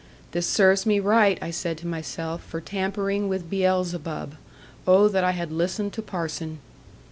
'This serves me right,' I said to myself, 'for tampering with Beelzebub. Oh that I had listened to parson!'